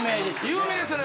有名ですよね。